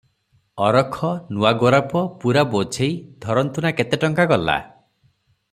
ଅରଖ ନୂଆ ଗୋରାପ, ପୂରା ବୋଝେଇ, ଧରନ୍ତୁ ନା କେତେ ଟଙ୍କା ଗଲା?